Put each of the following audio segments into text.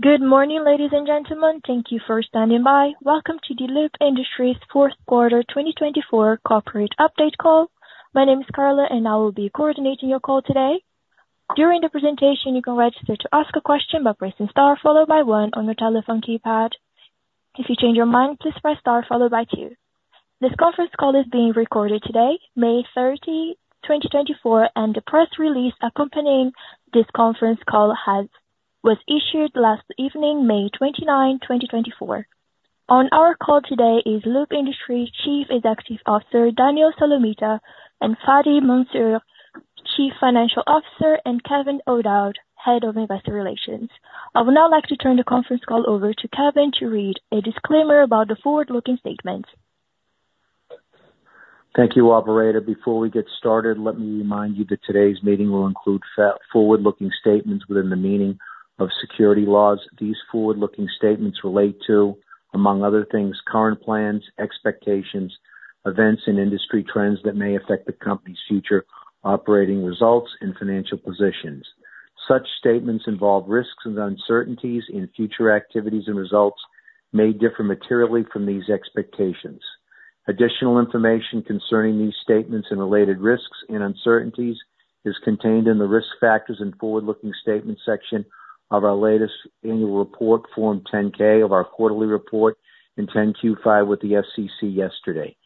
Good morning, ladies and gentlemen. Thank you for standing by. Welcome to the Loop Industries Fourth Quarter 2024 Corporate Update Call. My name is Carla, and I will be coordinating your call today. During the presentation, you can register to ask a question by pressing star, followed by one on your telephone keypad. If you change your mind, please press star followed by two. This conference call is being recorded today, May thirty, twenty twenty-four, and the press release accompanying this conference call was issued last evening, May twenty-nine, twenty twenty-four. On our call today is Loop Industries Chief Executive Officer, Daniel Solomita, and Fady Mansour, Chief Financial Officer, and Kevin O'Dowd, Head of Investor Relations. I would now like to turn the conference call over to Kevin to read a disclaimer about the forward-looking statements. Thank you, operator. Before we get started, let me remind you that today's meeting will include forward-looking statements within the meaning of security laws. These forward-looking statements relate to, among other things, current plans, expectations, events, and industry trends that may affect the company's future operating results and financial positions. Such statements involve risks and uncertainties in future activities and results may differ materially from these expectations. Additional information concerning these statements and related risks and uncertainties is contained in the Risk Factors and Forward-Looking Statement section of our latest annual report, Form 10-K, and our quarterly report, 10-Q, filed with the SEC yesterday,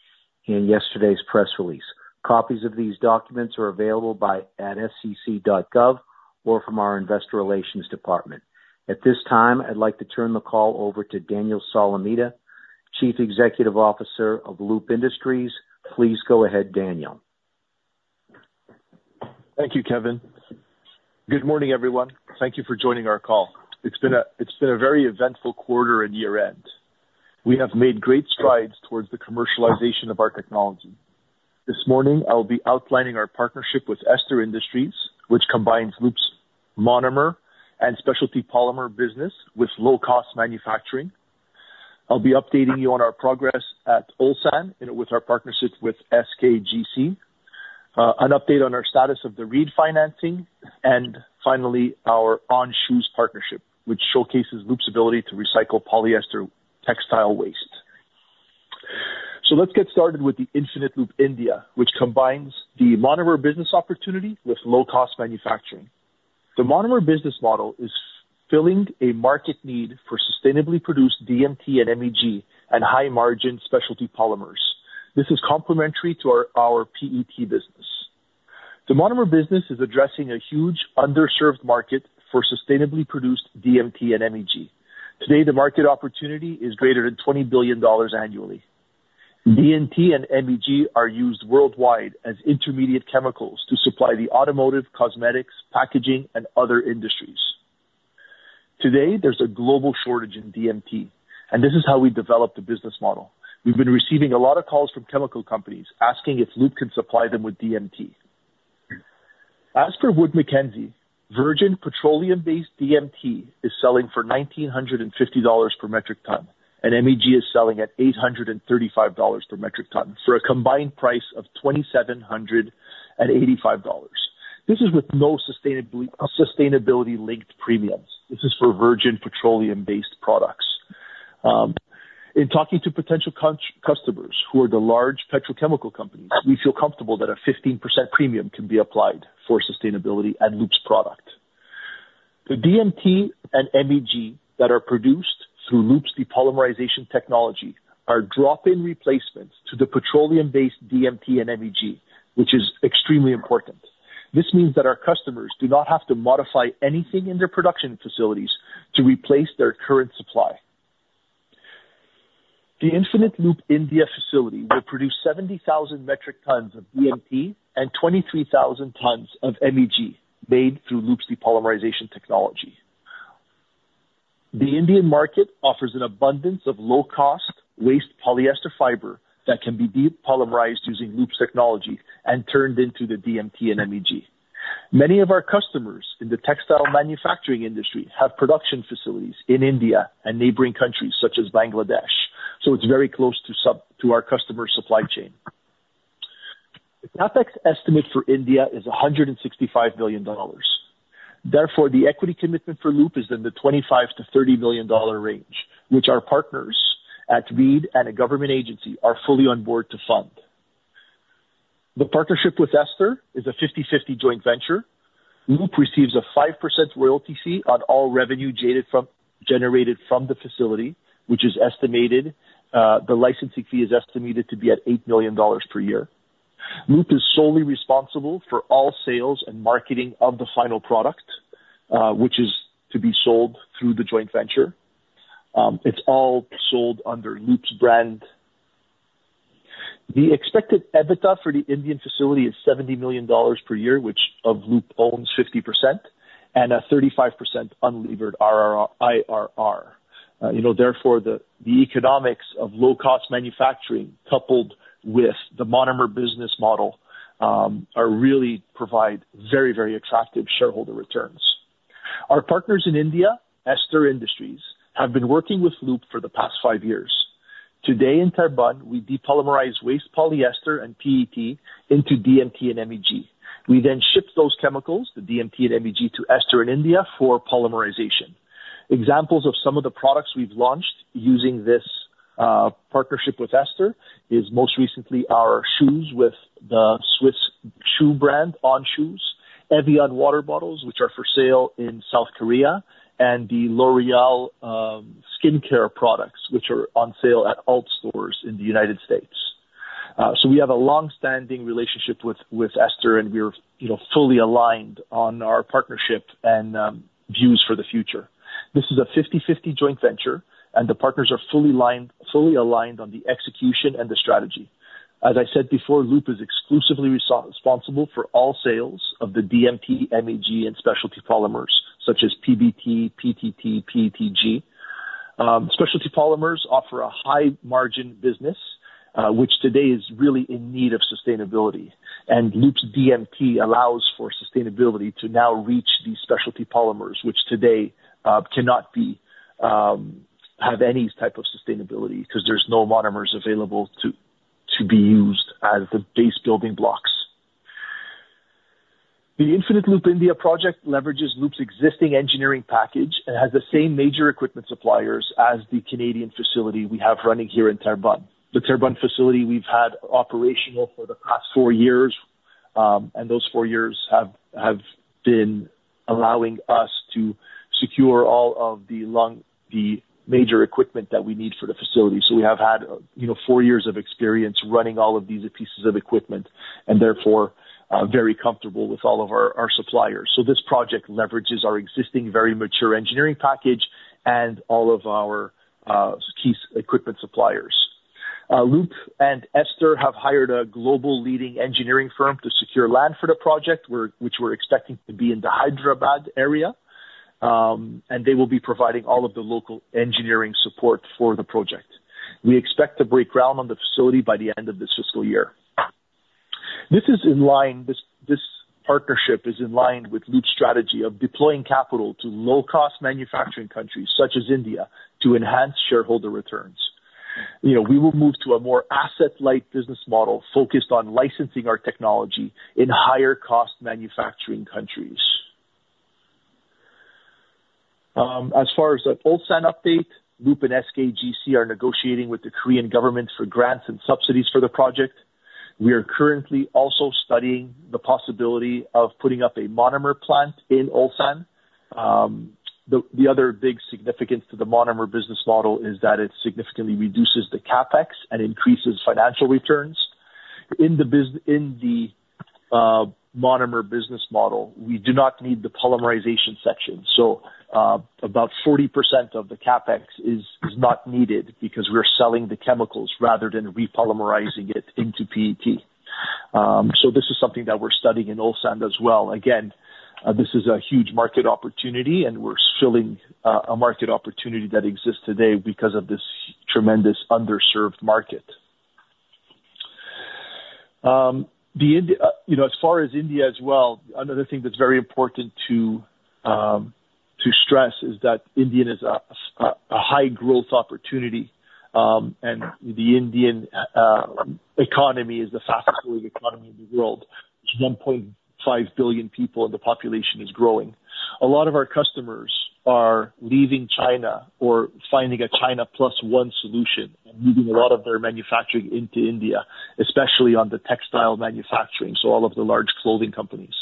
in yesterday's press release. Copies of these documents are available by... at SEC.gov or from our investor relations department. At this time, I'd like to turn the call over to Daniel Solomita, Chief Executive Officer of Loop Industries. Please go ahead, Daniel. Thank you, Kevin. Good morning, everyone. Thank you for joining our call. It's been a very eventful quarter and year-end. We have made great strides towards the commercialization of our technology. This morning, I'll be outlining our partnership with Ester Industries, which combines Loop's monomer and specialty polymer business with low-cost manufacturing. I'll be updating you on our progress at Ulsan and with our partnership with SKGC, an update on our status of the Reed financing, and finally, our On Shoes partnership, which showcases Loop's ability to recycle polyester textile waste. So let's get started with the Infinite Loop India, which combines the monomer business opportunity with low-cost manufacturing. The monomer business model is filling a market need for sustainably produced DMT and MEG and high-margin specialty polymers. This is complementary to our PET business. The monomer business is addressing a huge underserved market for sustainably produced DMT and MEG. Today, the market opportunity is greater than $20 billion annually. DMT and MEG are used worldwide as intermediate chemicals to supply the automotive, cosmetics, packaging, and other industries. Today, there's a global shortage in DMT, and this is how we developed the business model. We've been receiving a lot of calls from chemical companies asking if Loop can supply them with DMT. As for Wood Mackenzie, virgin petroleum-based DMT is selling for $1,950 per metric ton, and MEG is selling at $835 per metric ton, for a combined price of $2,785. This is with no sustainability linked premiums. This is for virgin petroleum-based products. In talking to potential customers, who are the large petrochemical companies, we feel comfortable that a 15% premium can be applied for sustainability and Loop's product. The DMT and MEG that are produced through Loop's depolymerization technology are drop-in replacements to the petroleum-based DMT and MEG, which is extremely important. This means that our customers do not have to modify anything in their production facilities to replace their current supply. The Infinite Loop India facility will produce 70,000 metric tons of DMT and 23,000 tons of MEG made through Loop's depolymerization technology. The Indian market offers an abundance of low-cost waste polyester fiber that can be depolymerized using Loop's technology and turned into the DMT and MEG. Many of our customers in the textile manufacturing industry have production facilities in India and neighboring countries, such as Bangladesh, so it's very close to our customers' supply chain. The CapEx estimate for India is $165 million. Therefore, the equity commitment for Loop is in the $25 million-$30 million range, which our partners at Reed and a government agency are fully on board to fund. The partnership with Ester is a 50/50 joint venture. Loop receives a 5% royalty fee on all revenue generated from the facility, which is estimated, the licensing fee is estimated to be at $8 million per year. Loop is solely responsible for all sales and marketing of the final product, which is to be sold through the joint venture. It's all sold under Loop's brand. The expected EBITDA for the Indian facility is $70 million per year, which of Loop owns 50%, and a 35% unlevered IRR. You know, therefore, the economics of low-cost manufacturing, coupled with the monomer business model, are really provide very, very attractive shareholder returns. Our partners in India, Ester Industries, have been working with Loop for the past 5 years. Today in Terrebonne, we depolymerize waste polyester and PET into DMT and MEG. We then ship those chemicals, the DMT and MEG, to Ester in India for polymerization. Examples of some of the products we've launched using this partnership with Ester is most recently our shoes with the Swiss shoe brand, On Shoes, Evian water bottles, which are for sale in South Korea, and the L'Oréal skincare products, which are on sale at Ulta stores in the United States. So we have a long-standing relationship with Ester, and we're, you know, fully aligned on our partnership and views for the future. This is a 50/50 joint venture, and the partners are fully aligned on the execution and the strategy. As I said before, Loop is exclusively responsible for all sales of the DMT, MEG, and specialty polymers such as PBT, PTT, PETG. Specialty polymers offer a high margin business, which today is really in need of sustainability. And Loop's DMT allows for sustainability to now reach these specialty polymers, which today cannot have any type of sustainability because there's no monomers available to be used as the base building blocks. The Infinite Loop India project leverages Loop's existing engineering package and has the same major equipment suppliers as the Canadian facility we have running here in Terrebonne. The Terrebonne facility we've had operational for the past four years, and those four years have been allowing us to secure all of the major equipment that we need for the facility. So we have had, you know, four years of experience running all of these pieces of equipment, and therefore, very comfortable with all of our suppliers. So this project leverages our existing, very mature engineering package and all of our key equipment suppliers. Loop and Ester have hired a global leading engineering firm to secure land for the project, which we're expecting to be in the Hyderabad area. And they will be providing all of the local engineering support for the project. We expect to break ground on the facility by the end of this fiscal year. This is in line, this partnership is in line with Loop strategy of deploying capital to low-cost manufacturing countries such as India, to enhance shareholder returns. You know, we will move to a more asset-light business model focused on licensing our technology in higher cost manufacturing countries. As far as the Ulsan update, Loop and SKGC are negotiating with the Korean government for grants and subsidies for the project. We are currently also studying the possibility of putting up a monomer plant in Ulsan. The other big significance to the monomer business model is that it significantly reduces the CapEx and increases financial returns. In the monomer business model, we do not need the polymerization section, so about 40% of the CapEx is not needed because we're selling the chemicals rather than repolymerizing it into PET. So this is something that we're studying in Ulsan as well. Again, this is a huge market opportunity, and we're filling a market opportunity that exists today because of this tremendous underserved market. You know, as far as India as well, another thing that's very important to stress, is that India is a high growth opportunity. And the Indian economy is the fastest growing economy in the world, with 1.5 billion people, and the population is growing. A lot of our customers are leaving China or finding a China plus one solution and moving a lot of their manufacturing into India, especially on the textile manufacturing, so all of the large clothing companies.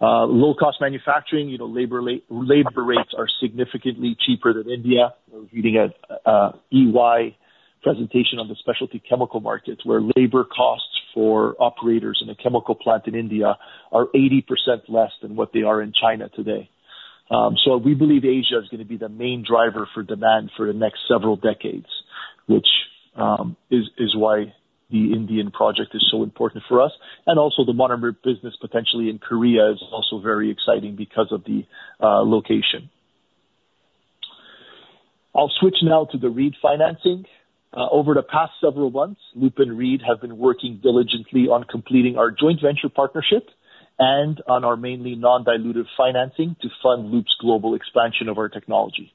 Low-cost manufacturing, you know, labor rates are significantly cheaper than India. We're giving a EY presentation on the specialty chemical markets, where labor costs for operators in a chemical plant in India are 80% less than what they are in China today. So we believe Asia is gonna be the main driver for demand for the next several decades, which is why the Indian project is so important for us. Also the monomer business, potentially in Korea, is also very exciting because of the location. I'll switch now to the Reed financing. Over the past several months, Loop and Reed have been working diligently on completing our joint venture partnership and on our mainly non-dilutive financing to fund Loop's global expansion of our technology.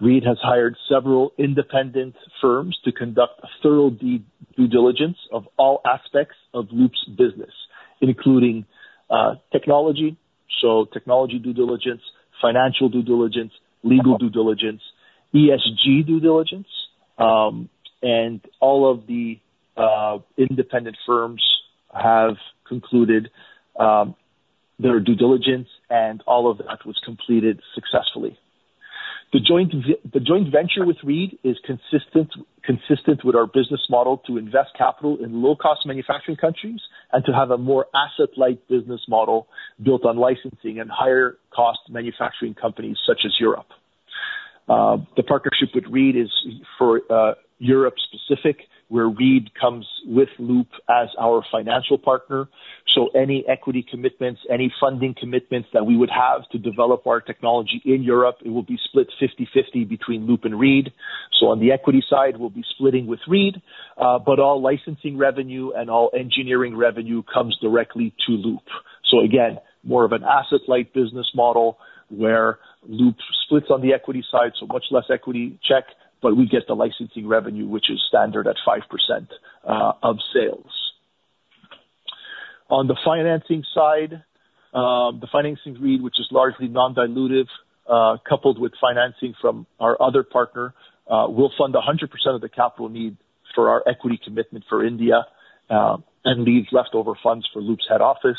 Reed has hired several independent firms to conduct a thorough due diligence of all aspects of Loop's business, including technology due diligence, financial due diligence, legal due diligence, ESG due diligence. All of the independent firms have concluded their due diligence, and all of that was completed successfully. The joint venture with Reed is consistent with our business model to invest capital in low-cost manufacturing countries and to have a more asset-light business model built on licensing and higher cost manufacturing companies such as Europe. The partnership with Reed is for Europe specific, where Reed comes with Loop as our financial partner, so any equity commitments, any funding commitments that we would have to develop our technology in Europe, it will be split 50/50 between Loop and Reed. So on the equity side, we'll be splitting with Reed, but all licensing revenue and all engineering revenue comes directly to Loop. So again, more of an asset-light business model where Loop splits on the equity side, so much less equity check, but we get the licensing revenue, which is standard at 5% of sales. On the financing side, the financing Reed, which is largely non-dilutive, coupled with financing from our other partner, will fund 100% of the capital need for our equity commitment for India, and leaves leftover funds for Loop's head office.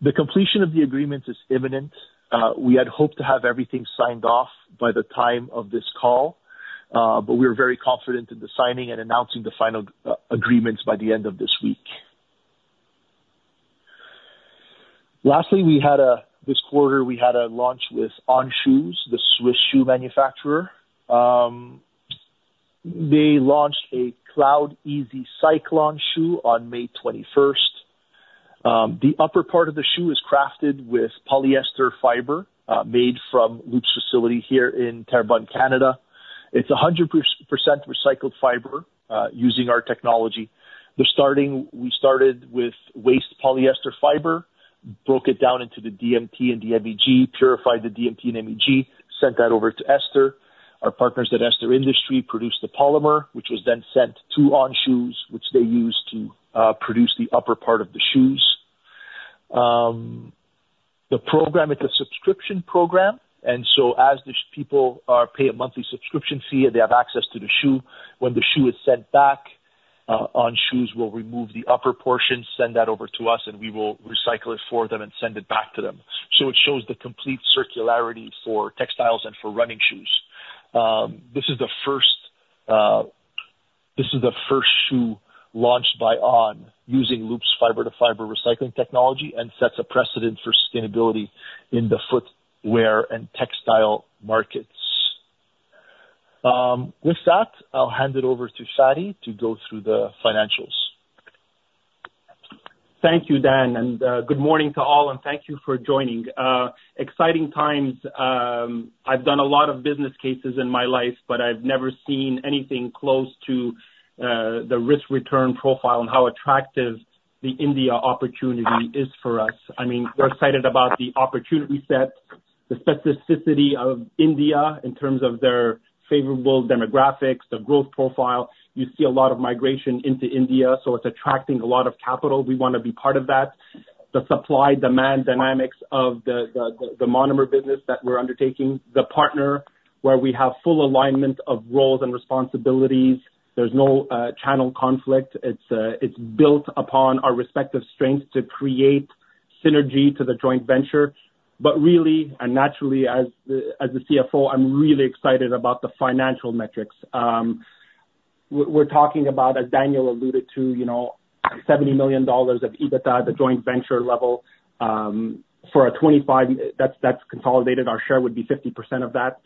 The completion of the agreement is imminent. We had hoped to have everything signed off by the time of this call, but we're very confident in the signing and announcing the final agreements by the end of this week. Lastly, this quarter, we had a launch with On Shoes, the Swiss shoe manufacturer. They launched a Cloudeasy Cyclon shoe on May 21. The upper part of the shoe is crafted with polyester fiber made from Loop's facility here in Terrebonne, Canada. It's 100% recycled fiber using our technology. We started with waste polyester fiber, broke it down into the DMT and MEG, purified the DMT and MEG, sent that over to Ester. Our partners at Ester Industries produced the polymer, which was then sent to On, which they used to produce the upper part of the shoes. The program, it's a subscription program, and so as the people pay a monthly subscription fee, they have access to the shoe. When the shoe is sent back, On Shoes will remove the upper portion, send that over to us, and we will recycle it for them and send it back to them. So it shows the complete circularity for textiles and for running shoes. This is the first shoe launched by On, using Loop's fiber-to-fiber recycling technology, and sets a precedent for sustainability in the footwear and textile markets. With that, I'll hand it over to Fady to go through the financials. Thank you, Dan, and good morning to all, and thank you for joining. Exciting times. I've done a lot of business cases in my life, but I've never seen anything close to the risk-return profile and how attractive the India opportunity is for us. I mean, we're excited about the opportunity set, the specificity of India in terms of their favorable demographics, the growth profile. You see a lot of migration into India, so it's attracting a lot of capital. We wanna be part of that. The supply-demand dynamics of the monomer business that we're undertaking, the partner, where we have full alignment of roles and responsibilities. There's no channel conflict. It's built upon our respective strengths to create synergy to the joint venture. But really, and naturally, as the CFO, I'm really excited about the financial metrics. We're talking about, as Daniel alluded to, you know, $70 million of EBITDA at the joint venture level, for a 25... That's consolidated. Our share would be 50% of that,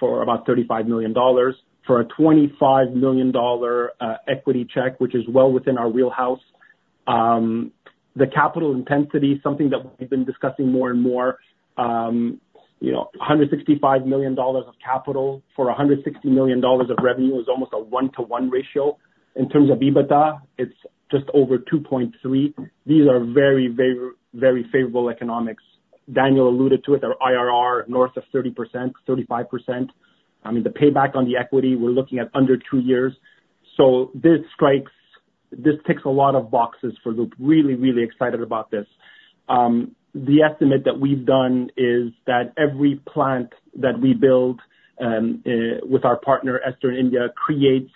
for about $35 million. For a $25 million equity check, which is well within our wheelhouse. The capital intensity, something that we've been discussing more and more, you know, $165 million of capital for $160 million of revenue is almost a one-to-one ratio. In terms of EBITDA, it's just over 2.3. These are very, very, very favorable economics. Daniel alluded to it, our IRR, north of 30%, 35%. I mean, the payback on the equity, we're looking at under two years. So this strikes. This ticks a lot of boxes for Loop. Really, really excited about this. The estimate that we've done is that every plant that we build with our partner, Ester in India, creates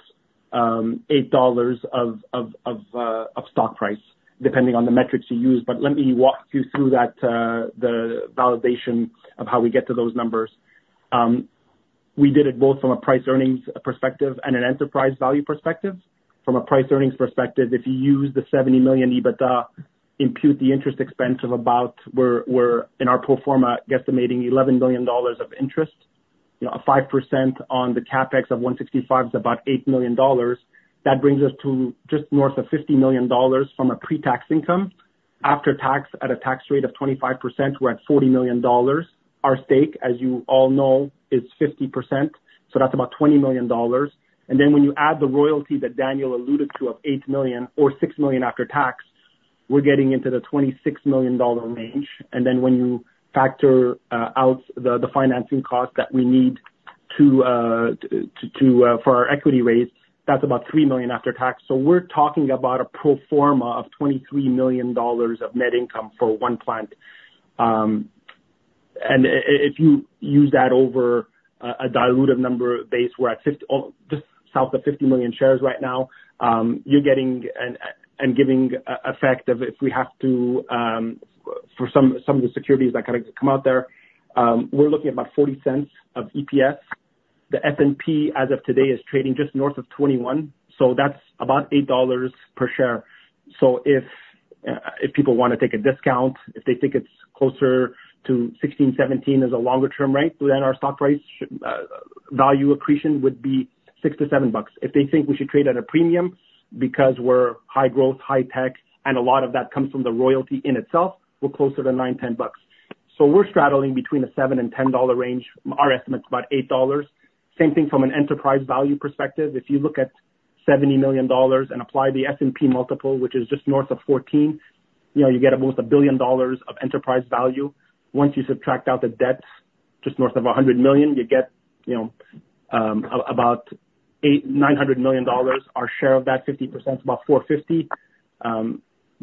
$8 of stock price, depending on the metrics you use. But let me walk you through that, the validation of how we get to those numbers. We did it both from a price/earnings perspective and an enterprise value perspective. From a price/earnings perspective, if you use the $70 million EBITDA, impute the interest expense of about, we're in our pro forma guesstimating $11 million of interest. You know, a 5% on the CapEx of 165 is about $8 million. That brings us to just north of $50 million from a pre-tax income. After tax, at a tax rate of 25%, we're at $40 million. Our stake, as you all know, is 50%, so that's about $20 million. And then when you add the royalty that Daniel alluded to of $8 million or $6 million after tax, we're getting into the $26 million range. And then when you factor out the financing cost that we need to for our equity raise, that's about $3 million after tax. So we're talking about a pro forma of $23 million of net income for one plant. And if you use that over a dilutive number base, we're at 50... Oh, just south of 50 million shares right now, you're getting and giving effect of if we have to for some of the securities that kind of come out there, we're looking at about $0.40 of EPS. The S&P, as of today, is trading just north of 21, so that's about $8 per share. So if people wanna take a discount, if they think it's closer to 16, 17 as a longer term rate, then our stock price value accretion would be $6-$7. If they think we should trade at a premium because we're high growth, high tech, and a lot of that comes from the royalty in itself, we're closer to $9, $10.... So we're straddling between the $7-$10 range. Our estimate's about $8. Same thing from an enterprise value perspective. If you look at $70 million and apply the S&P multiple, which is just north of 14, you know, you get almost $1 billion of enterprise value. Once you subtract out the debts, just north of $100 million, you get, you know, about $800-$900 million. Our share of that 50% is about $450.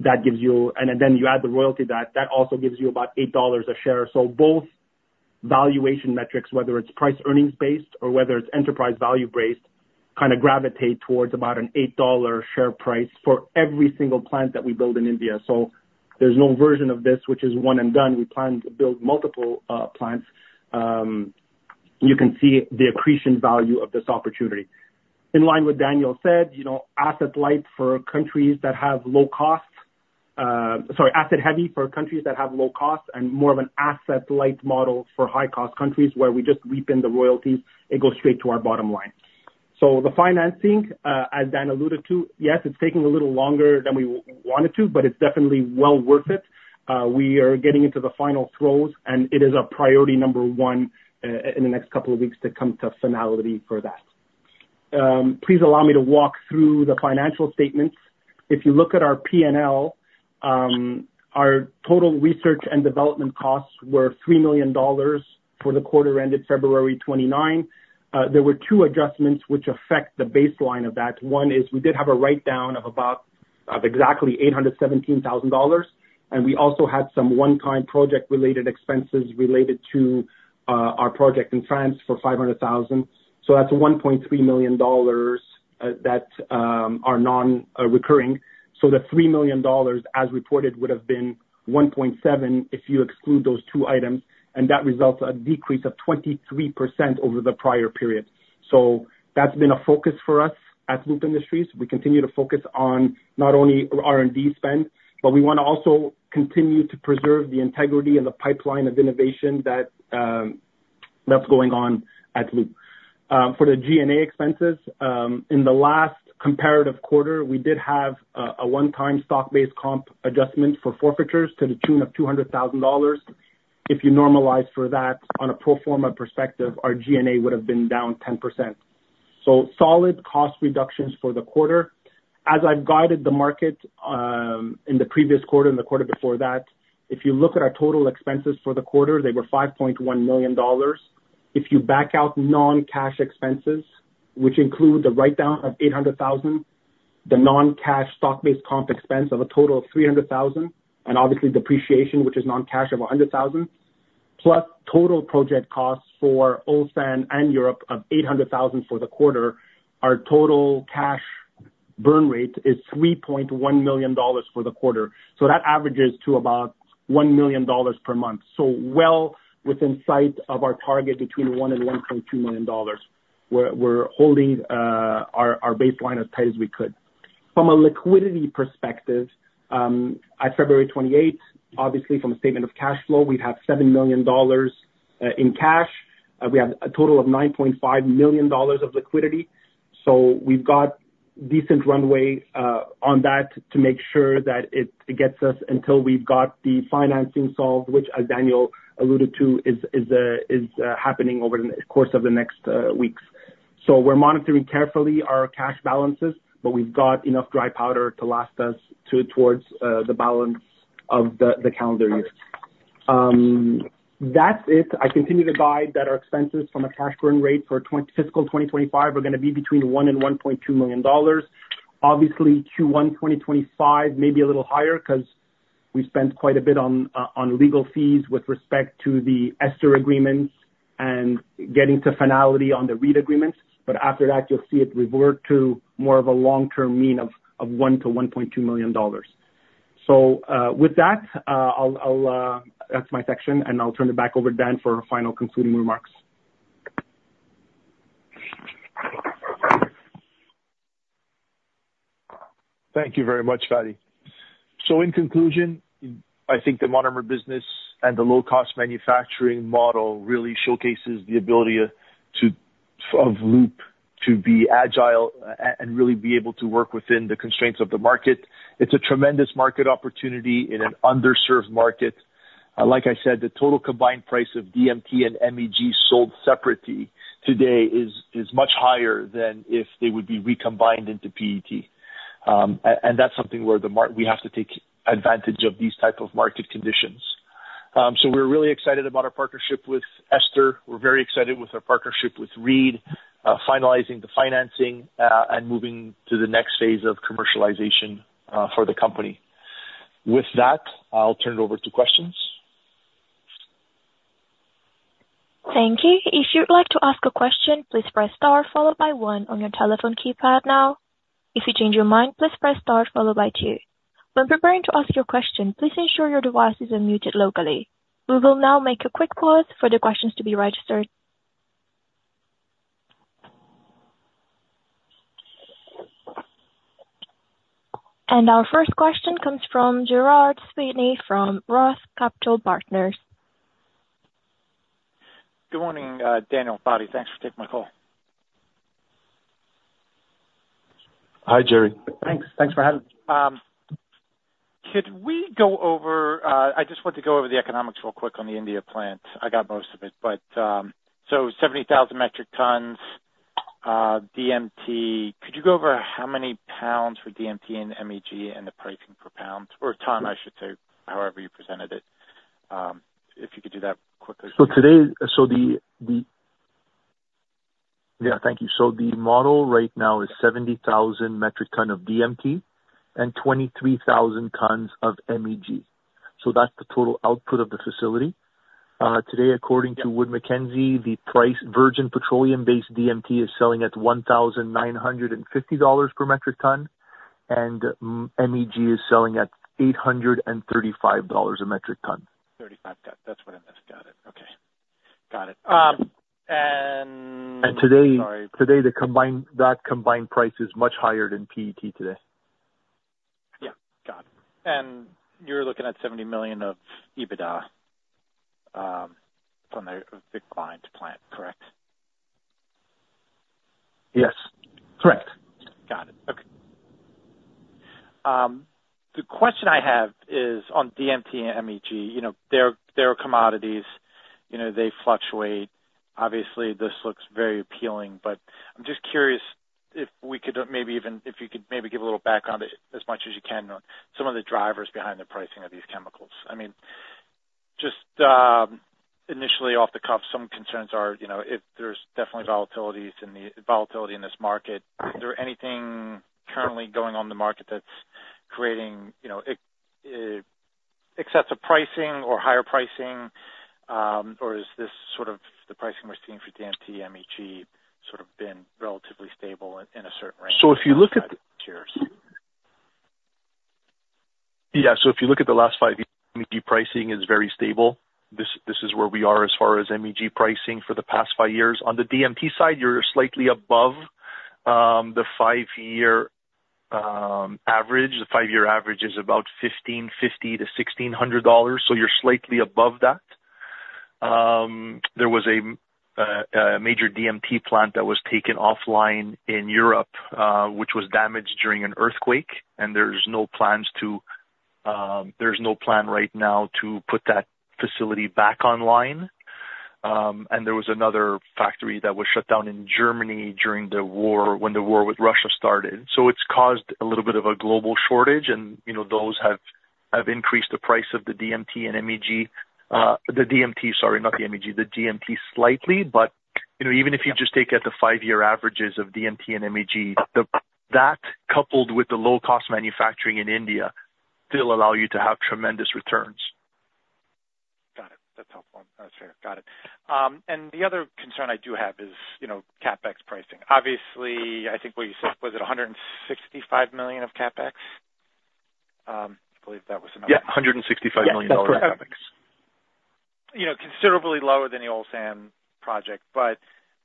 That gives you. And then you add the royalty to that, that also gives you about $8 a share. So both valuation metrics, whether it's price earnings based or whether it's enterprise value based, kind of gravitate towards about an $8 share price for every single plant that we build in India. So there's no version of this, which is one and done. We plan to build multiple plants. You can see the accretion value of this opportunity. In line with Daniel said, you know, asset light for countries that have low costs. Sorry, asset heavy for countries that have low costs and more of an asset light model for high cost countries, where we just reap in the royalties, it goes straight to our bottom line. So the financing, as Dan alluded to, yes, it's taking a little longer than we want it to, but it's definitely well worth it. We are getting into the final throes, and it is our priority number one, in the next couple of weeks to come to finality for that. Please allow me to walk through the financial statements. If you look at our P&L, our total research and development costs were $3 million for the quarter ended February 29. There were two adjustments which affect the baseline of that. One is we did have a write down of exactly $817,000, and we also had some one-time project related expenses related to our project in France for $500,000. So that's $1.3 million that are nonrecurring. So the $3 million as reported would have been $1.7 million if you exclude those two items, and that results a decrease of 23% over the prior period. So that's been a focus for us at Loop Industries. We continue to focus on not only R&D spend, but we wanna also continue to preserve the integrity and the pipeline of innovation that that's going on at Loop. For the G&A expenses, in the last comparative quarter, we did have a one-time stock-based comp adjustment for forfeitures to the tune of $200,000. If you normalize for that on a pro forma perspective, our G&A would have been down 10%. So solid cost reductions for the quarter. As I've guided the market, in the previous quarter and the quarter before that, if you look at our total expenses for the quarter, they were $5.1 million. If you back out non-cash expenses, which include the write down of $800,000, the non-cash stock-based comp expense of a total of $300,000, and obviously depreciation, which is non-cash of $100,000, plus total project costs for Ulsan and Europe of $800,000 for the quarter, our total cash burn rate is $3.1 million for the quarter. So that averages to about $1 million per month. So well within sight of our target, between $1 million and $1.2 million. We're holding our baseline as tight as we could. From a liquidity perspective, at February 28, obviously from a statement of cash flow, we have $7 million in cash. We have a total of $9.5 million of liquidity, so we've got decent runway on that to make sure that it gets us until we've got the financing solved, which, as Daniel alluded to, is happening over the course of the next weeks. So we're monitoring carefully our cash balances, but we've got enough dry powder to last us towards the balance of the calendar year. That's it. I continue to guide that our expenses from a cash burn rate for fiscal 2025 are gonna be between $1-$1.2 million. Obviously, Q1 2025, maybe a little higher, 'cause we spent quite a bit on legal fees with respect to the Ester agreements and getting to finality on the Reed agreements. But after that, you'll see it revert to more of a long-term mean of $1 million-$1.2 million. So, with that, I'll, that's my section, and I'll turn it back over to Dan for final concluding remarks. Thank you very much, Fady. So in conclusion, I think the monomer business and the low-cost manufacturing model really showcases the ability of Loop to be agile and really be able to work within the constraints of the market. It's a tremendous market opportunity in an underserved market. Like I said, the total combined price of DMT and MEG sold separately today is much higher than if they would be recombined into PET. And that's something where we have to take advantage of these type of market conditions. So we're really excited about our partnership with Ester. We're very excited with our partnership with Reed, finalizing the financing and moving to the next phase of commercialization for the company. With that, I'll turn it over to questions. Thank you. If you'd like to ask a question, please press star followed by one on your telephone keypad now. If you change your mind, please press star followed by two. When preparing to ask your question, please ensure your device is unmuted locally. We will now make a quick pause for the questions to be registered. Our first question comes from Gerard Sweeney from Roth Capital Partners. Good morning, Daniel, Fady. Thanks for taking my call.... Hi, Gerry. Thanks. Thanks for having me. Could we go over, I just want to go over the economics real quick on the India plant. I got most of it, but, so 70,000 metric tons, DMT. Could you go over how many pounds for DMT and MEG and the pricing per pound or ton, I should say, however you presented it, if you could do that quickly? So today, the model right now is 70,000 metric ton of DMT and 23,000 tons of MEG. So that's the total output of the facility. Today, according to Wood Mackenzie, the price virgin petroleum-based DMT is selling at $1,950 per metric ton, and MEG is selling at $835 a metric ton. 35 ton. That's what I missed. Got it. Okay. Got it. And today- Sorry. Today, the combined, that combined price is much higher than PET today. Yeah. Got it. And you're looking at $70 million of EBITDA from the declined plant, correct? Yes. Correct. Got it. Okay. The question I have is on DMT and MEG, you know, they're, they're commodities, you know, they fluctuate. Obviously, this looks very appealing, but I'm just curious if we could maybe even, if you could maybe give a little background as much as you can on some of the drivers behind the pricing of these chemicals. I mean, just, initially off the cuff, some concerns are, you know, if there's definitely volatility in this market, is there anything currently going on in the market that's creating, you know, excessive pricing or higher pricing, or is this sort of the pricing we're seeing for DMT, MEG, sort of been relatively stable in a certain range? So if you look at- Cheers. Yeah. So if you look at the last five years, MEG pricing is very stable. This is where we are as far as MEG pricing for the past five years. On the DMT side, you're slightly above the five-year average. The five-year average is about $1,550-$1,600, so you're slightly above that. There was a major DMT plant that was taken offline in Europe, which was damaged during an earthquake, and there's no plans to, there's no plan right now to put that facility back online. And there was another factory that was shut down in Germany during the war, when the war with Russia started. So it's caused a little bit of a global shortage, and, you know, those have increased the price of the DMT and MEG, the DMT, sorry, not the MEG, the DMT, slightly. But, you know, even if you just take at the five-year averages of DMT and MEG, the, that coupled with the low-cost manufacturing in India, still allow you to have tremendous returns. Got it. That's helpful. That's fair. Got it. And the other concern I do have is, you know, CapEx pricing. Obviously, I think what you said, was it $165 million of CapEx? I believe that was the number. Yeah, $165 million CapEx. You know, considerably lower than the Ulsan project, but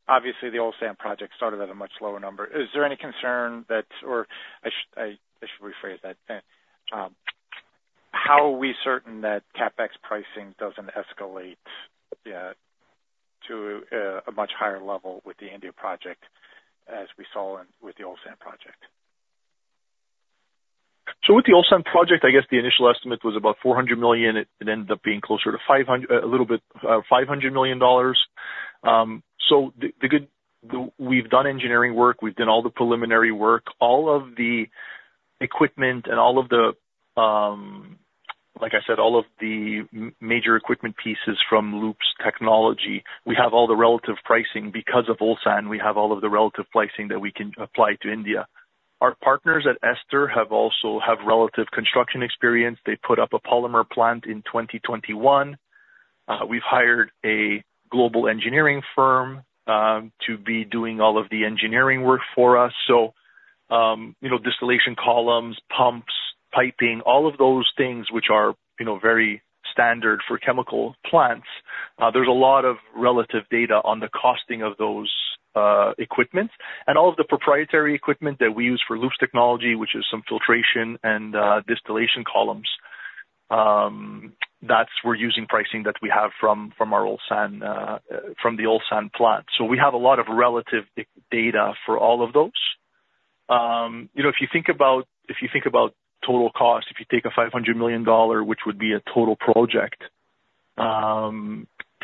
obviously the Ulsan project started at a much lower number. Is there any concern that... Or I should rephrase that. How are we certain that CapEx pricing doesn't escalate to a much higher level with the India project, as we saw in with the Ulsan project? So with the Ulsan project, I guess the initial estimate was about $400 million. It ended up being closer to 500, a little bit, $500 million. So the -- we've done engineering work, we've done all the preliminary work, all of the equipment and all of the, like I said, all of the major equipment pieces from Loop's Technology. We have all the relative pricing. Because of Ulsan, we have all of the relative pricing that we can apply to India. Our partners at Ester also have relative construction experience. They put up a polymer plant in 2021. We've hired a global engineering firm to be doing all of the engineering work for us. So, you know, distillation columns, pumps, piping, all of those things which are, you know, very standard for chemical plants, there's a lot of relative data on the costing of those, equipment. And all of the proprietary equipment that we use for Loop's Technology, which is some filtration and, distillation columns, that's we're using pricing that we have from, from our Ulsan, from the Ulsan plant. So we have a lot of relative data for all of those. You know, if you think about, if you think about total cost, if you take a $500 million, which would be a total project,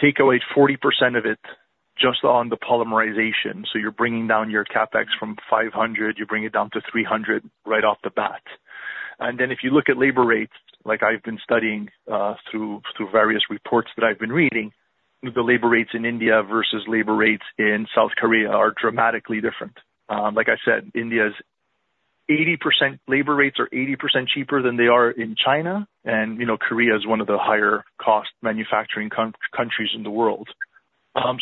take away 40% of it just on the polymerization, so you're bringing down your CapEx from 500, you bring it down to 300 right off the bat. If you look at labor rates, like I've been studying through various reports that I've been reading, the labor rates in India versus labor rates in South Korea are dramatically different. Like I said, India's 80% -- labor rates are 80% cheaper than they are in China, and, you know, Korea is one of the higher cost manufacturing countries in the world.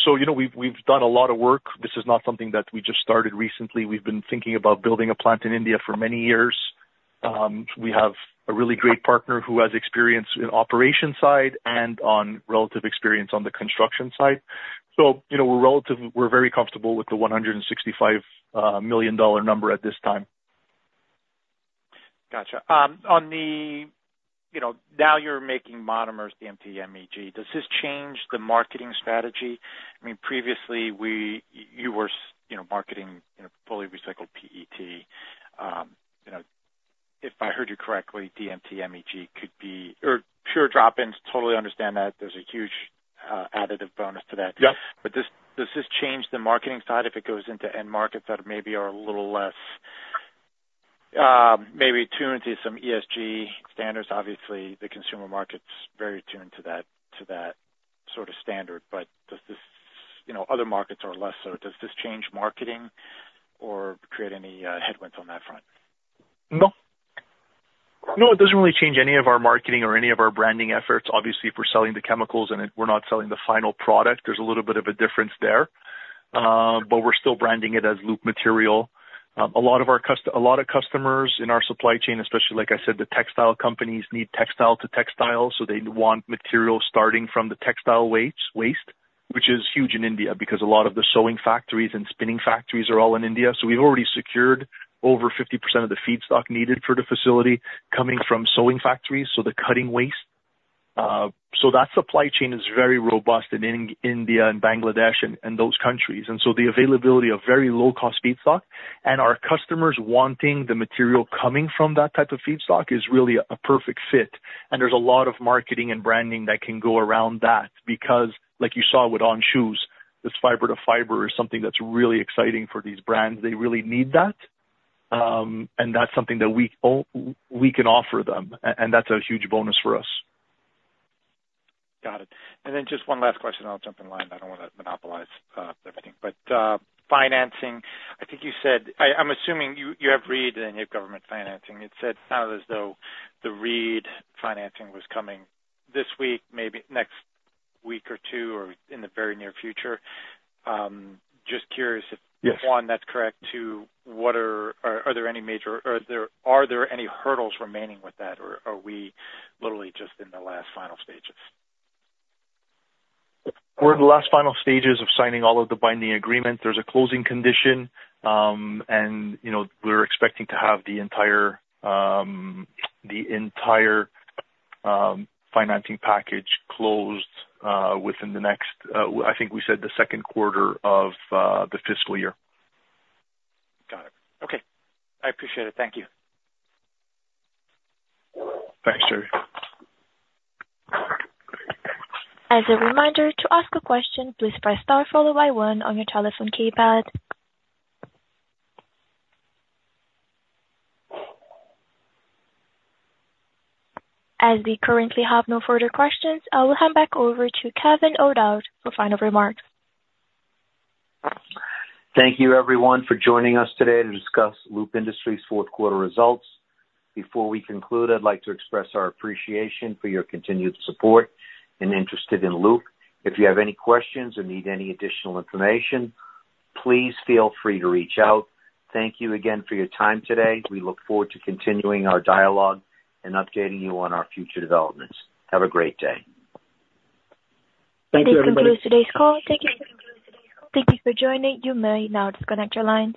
So you know, we've done a lot of work. This is not something that we just started recently. We've been thinking about building a plant in India for many years. We have a really great partner who has experience in operation side and on relative experience on the construction side. So, you know, we're relatively, we're very comfortable with the $165 million number at this time.... Gotcha. On the, you know, now you're making monomers, DMT MEG. Does this change the marketing strategy? I mean, previously you were, you know, marketing, you know, fully recycled PET. You know, if I heard you correctly, DMT MEG could be, or pure drop-ins, totally understand that there's a huge, additive bonus to that. Yep. But does this change the marketing side if it goes into end markets that maybe are a little less, maybe tuned to some ESG standards? Obviously, the consumer market's very attuned to that, to that sort of standard, but does this, you know, other markets are less so. Does this change marketing or create any headwinds on that front? No. No, it doesn't really change any of our marketing or any of our branding efforts. Obviously, if we're selling the chemicals and it, we're not selling the final product, there's a little bit of a difference there. But we're still branding it as Loop material. A lot of our customers in our supply chain, especially like I said, the textile companies, need textile to textile, so they want material starting from the textile waste, which is huge in India because a lot of the sewing factories and spinning factories are all in India. So we've already secured over 50% of the feedstock needed for the facility coming from sewing factories, so the cutting waste. So that supply chain is very robust in India and Bangladesh and those countries. The availability of very low-cost feedstock and our customers wanting the material coming from that type of feedstock is really a perfect fit. There's a lot of marketing and branding that can go around that because, like you saw with On Shoes, this fiber-to-fiber is something that's really exciting for these brands. They really need that. And that's something that we can offer them, and that's a huge bonus for us. Got it. And then just one last question, I'll jump in line. I don't want to monopolize everything. But, financing, I think you said... I'm assuming you have Reed and you have government financing. It sounded as though the Reed financing was coming this week, maybe next week or two, or in the very near future. Just curious if- Yes. One, that's correct. Two, what are... Are there any major hurdles remaining with that, or are we literally just in the last final stages? We're in the last final stages of signing all of the binding agreements. There's a closing condition, and, you know, we're expecting to have the entire financing package closed within the next. I think we said the second quarter of the fiscal year. Got it. Okay, I appreciate it. Thank you. Thanks, Jerry. As a reminder, to ask a question, please press star followed by one on your telephone keypad. As we currently have no further questions, I will hand back over to Kevin O'Dowd for final remarks. Thank you, everyone, for joining us today to discuss Loop Industries' fourth quarter results. Before we conclude, I'd like to express our appreciation for your continued support and interest in Loop. If you have any questions or need any additional information, please feel free to reach out. Thank you again for your time today. We look forward to continuing our dialogue and updating you on our future developments. Have a great day. This concludes today's call. Thank you. Thank you for joining. You may now disconnect your lines.